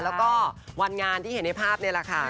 แล้วก็วันงานที่เห็นในภาพนี่แหละค่ะ